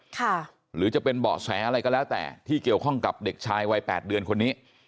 หรือจะเป็นเบาะแสอะไรก็แล้วแต่ที่เกี่ยวข้องกับเด็กชายวัยแปดเดือนคนนี้